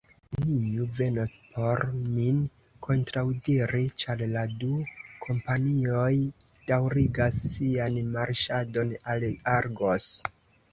Neniu venos por min kontraŭdiri, ĉar la du kompanioj daŭrigas sian marŝadon al Argos.